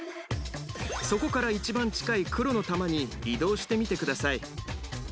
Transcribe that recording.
そこから一番近い黒の球に移動してみてください。